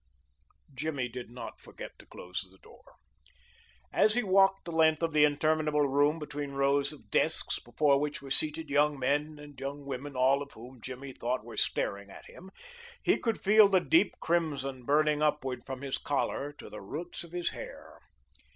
Jimmy did not forget to close the door. As he walked the length of the interminable room between rows of desks, before which were seated young men and young women, all of whom Jimmy thought were staring at him, he could feel the deep crimson burning upward from his collar to the roots of his hair.